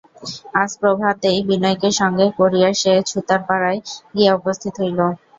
আজ প্রভাতেই বিনয়কে সঙ্গে করিয়া সে ছুতারপাড়ায় গিয়া উপস্থিত হইল।